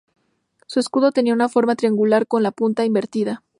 Su escudo tenía una forma triangular, con la punta invertida.